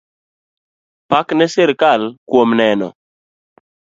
Pak ne sirkal kuom neno.